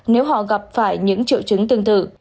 nếu họ gặp phải những triệu chứng tương tự